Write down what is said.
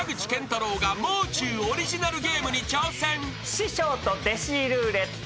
師匠と弟子ルーレット。